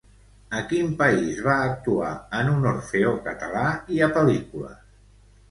A quin país va actuar en un orfeó català i a pel·lícules?